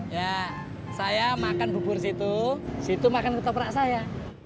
ya saya makan bubur situ makan ketoprak saya